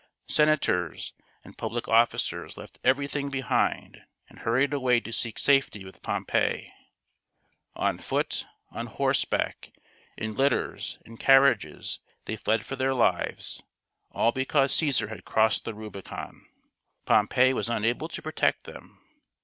Senators and public officers left everything behind and hurried away to seek safety with Pompey. On foot, on horseback, in litters, in carriages, they fled for their lives — all because Caesar had crossed the Rubicon. Pompey was unable to protect them.